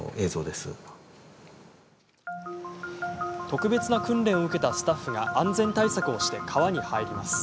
特別な訓練を受けたスタッフが安全対策をして川に入ります。